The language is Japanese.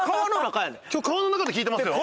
今日川の中って聞いてますよ。